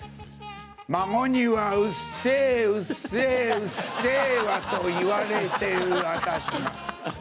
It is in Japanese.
孫にはうっせぇ、うっせぇ、うっせぇわと言われている私。